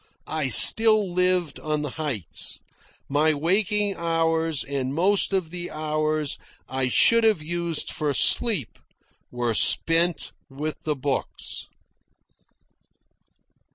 I still lived on the heights. My waking hours, and most of the hours I should have used for sleep, were spent with the books.